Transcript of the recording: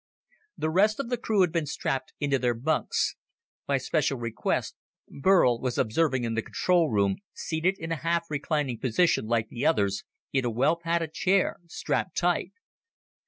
The rest of the crew had been strapped into their bunks. By special request, Burl was observing in the control room, seated in a half reclining position like the others, in a well padded chair, strapped tight.